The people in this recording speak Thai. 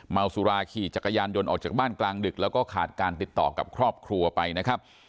เมาสุราขี่จักรยานยนต์ออกจากบ้านกลางดึกแล้วก็ขาดการติดต่อกับครอบครัวไปนะครับ